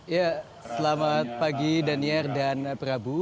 ya selamat pagi daniar dan prabu